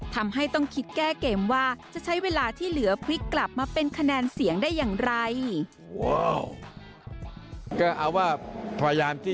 ทำให้ต้องคิดแก้เกมว่าจะใช้เวลาที่เหลือพลิกกลับมาเป็นคะแนนเสียงได้อย่างไร